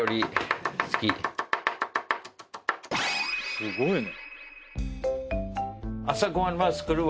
すごいね。